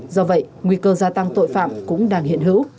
do vậy nguy cơ gia tăng tội phạm cũng đang hiện hữu